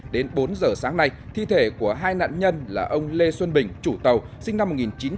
đến bốn giờ sáng nay thi thể của hai nạn nhân là ông lê xuân bình chủ tàu sinh năm một nghìn chín trăm tám mươi